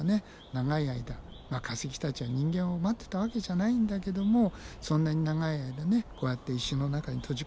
長い間化石たちは人間を待ってたわけじゃないんだけどもそんなに長い間ねこうやって石の中に閉じ込められていたならば